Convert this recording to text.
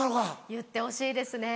言ってほしいですね。